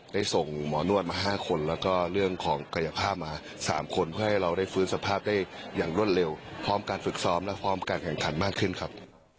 ได้ส่งหมอนวดมา๕คนแล้วก็เรื่องของกายภาพมา๓คนเพื่อให้เราได้ฟื้นสภาพได้อย่างรวดเร็วพร้อมการฝึกซ้อมและพร้อมการแข่งขันมากขึ้นครับ